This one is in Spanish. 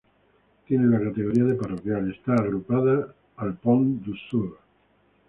Tiene la categoría de parroquial y está agrupada al Pont de Suert.